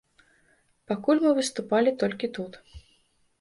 Пакуль мы выступалі толькі тут.